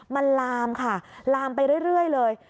มันลามค่ะลามไปเรื่อยเลย